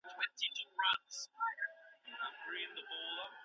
ولي هوډمن سړی د با استعداده کس په پرتله ژر بریالی کېږي؟